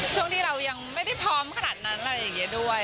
ช่วงที่เรายังไม่ได้พร้อมขนาดนั้นอะไรอย่างนี้ด้วย